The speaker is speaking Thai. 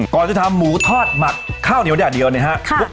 ก่อนที่จะทำหมูทอดหมักข้าวเหนียวด้วยเดียวนะครับ